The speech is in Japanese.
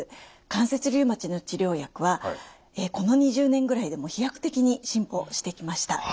関節リウマチの治療薬はこの２０年ぐらいで飛躍的に進歩してきました。